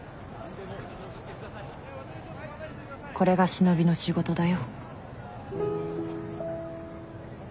これが忍びの仕事だよ。